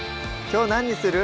きょう何にする？